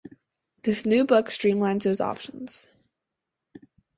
This new book streamlines those options.